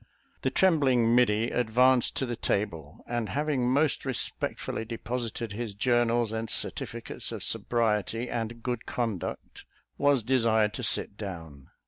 The trembling middy advanced to the table, and having most respectfully deposited his journals and certificates of sobriety and good conduct, was desired to sit down.